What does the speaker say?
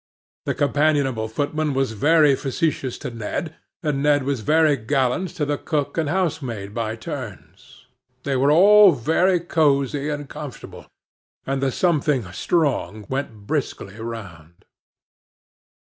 The companionable footman was very facetious to Ned, and Ned was very gallant to the cook and housemaid by turns. They were all very cosy and comfortable; and the something strong went briskly round.